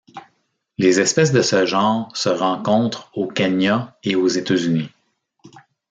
Les espèces de ce genre se rencontrent au Kenya et aux États-Unis.